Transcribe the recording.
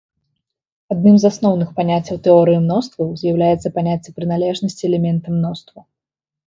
Адным з асноўных паняццяў тэорыі мностваў з'яўляецца паняцце прыналежнасці элемента мноству.